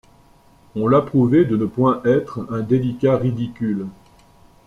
On l’approuvait de ne point être un délicat ridicule.